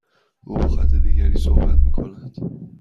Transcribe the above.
او با خط دیگری صحبت میکند.